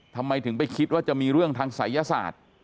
ทำไมถึงไปคิดว่าจะมีเรื่องทางศัยศาสตร์